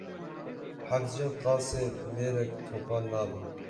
Heft jin qasê mêrek topal nabin